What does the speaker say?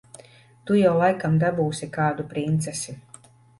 Tu jau laikam dabūsi kādu princesi.